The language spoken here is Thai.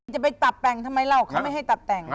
จะไปตับแปลงทำไมเล่าเค้าไม่ให้ตับแปลง